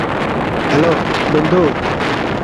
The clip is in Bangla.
হ্যালো, বন্ধু।